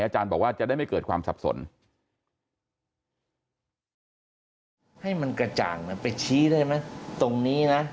อาจารย์บอกว่าจะได้ไม่เกิดความสับสน